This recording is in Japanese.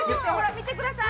見てください。